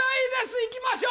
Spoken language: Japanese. いきましょう